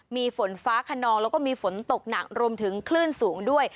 มีฝนฟ้าขนองแล้วก็มีฝนตกหนักรวมถึงคลื่นสูงด้วย